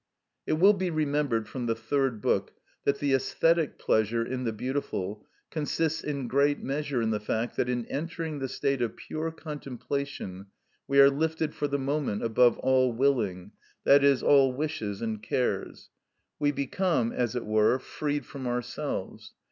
It will be remembered from the Third Book that the æsthetic pleasure in the beautiful consists in great measure in the fact that in entering the state of pure contemplation we are lifted for the moment above all willing, i.e., all wishes and cares; we become, as it were, freed from ourselves.